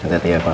kita pergi ya